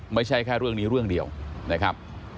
ไม่ใช่แค่เรื่องนี้เรื่องเดียวนะครับ